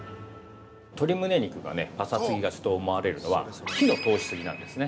◆鶏むね肉がパサつきがちと思われるのは火の通しすぎなんですね。